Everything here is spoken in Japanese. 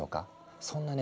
そんなね